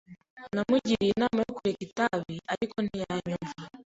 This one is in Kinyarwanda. Namugiriye inama yo kureka itabi, ariko ntiyanyumva.